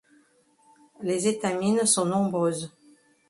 Les étamines sont nombreuses.